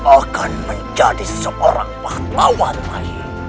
akan menjadi seorang baktawan lain